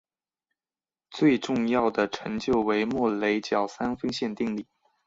最重要的成就为莫雷角三分线定理。